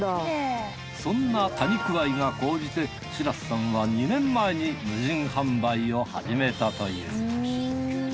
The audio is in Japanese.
そんな多肉愛が高じて白須さんは２年前に無人販売を始めたという。